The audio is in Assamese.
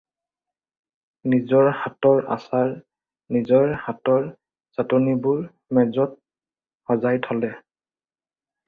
নিজৰ হাতৰ আচাৰ নিজৰ হাতৰ চাটনিবোৰ মেজত সজাই থ'লে।